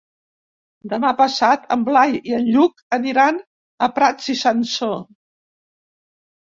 Demà passat en Blai i en Lluc aniran a Prats i Sansor.